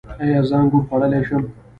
ایا زه انګور خوړلی شم؟